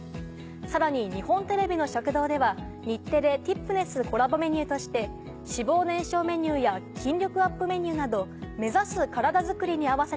さらに日本テレビの食堂では日テレ×ティップネスコラボメニューとして脂肪燃焼メニューや筋力アップメニューなど。